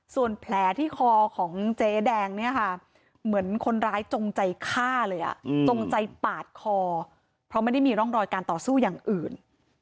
ส่วนแผลที่คอของเจ๊แดงเนี่ยค่ะเหมือนคนร้ายจงใจฆ่าเลยจงใจปาดคอเพราะไม่ได้มีร่องรอยการต่อสู้อย่างอื่น